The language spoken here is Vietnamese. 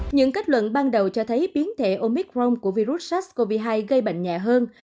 những kết luận ban đầu cho thấy biến thể omicron của virus sars cov hai gây bệnh nhẹ hơn